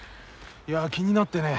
いや気になってね。